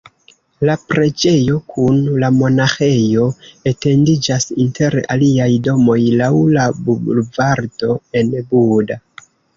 La preĝejo kun la monaĥejo etendiĝas inter aliaj domoj laŭ la bulvardo en Buda.